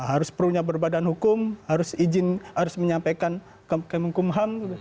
harus perunya berbadan hukum harus izin harus menyampaikan kemengkumhan